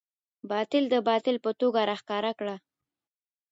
باطل د باطل په توګه راښکاره کړه.